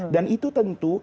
dan itu tentu